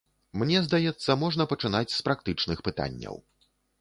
Мне здаецца, можна пачынаць з практычных пытанняў.